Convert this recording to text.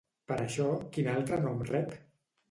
Per això, quin altre nom rep?